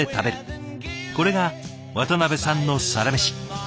これが渡部さんのサラメシ。